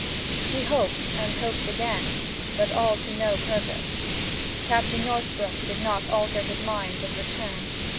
She hoped and hoped again, but all to no purpose. Captain Northbrook did not alter his mind and return.